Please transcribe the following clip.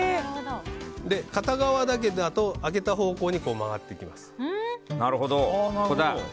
片側だけだと上げた方向に回っていきます。